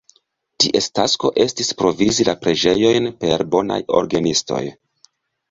Ties tasko estis provizi la preĝejojn per bonaj orgenistoj.